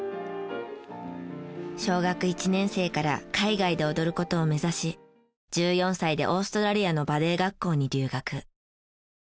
小学１年生から海外で踊る事を目指し１４歳でオーストラリアのバレエ学校に留学。